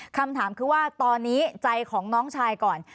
คำถามคือว่าตอนนี้ใจของน้องชายก่อน